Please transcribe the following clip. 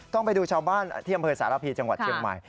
ต้องไปดูชาวบ้านเทียมเผยสารพีจังหวัดเชียงใหม่